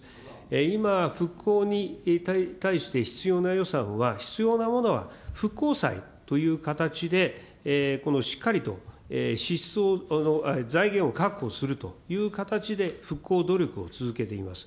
今、復興に対して必要な予算は、必要なものは復興債という形でしっかりと財源を確保するという形で復興努力を続けています。